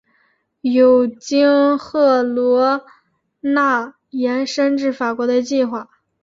有经赫罗纳延伸至法国的计划。